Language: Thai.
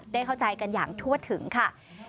ได้เข้าใจกันอย่างทั่วถึงค่ะ